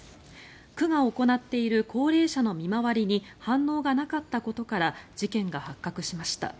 区が行っている高齢者の見回りに反応がなかったことから事件が発覚しました。